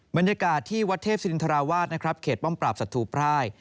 บรรยากาศที่วัดเทพศิรินทราวาสนะครับเขตป้อมปราบศัตรูพราย